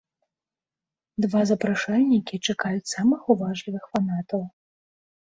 Два запрашальнікі чакаюць самых уважлівых фанатаў!